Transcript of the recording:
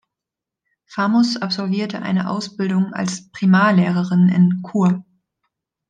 Famos absolvierte eine Ausbildung als Primarlehrerin in Chur.